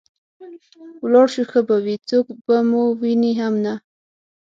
ولاړ شو ښه به وي، څوک به مو ویني هم نه.